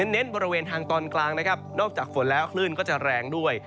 เน้นบริเวณทางตอนกลางนะครับนอกจากฝนแล้วคลื่นก็จะแรงด้วย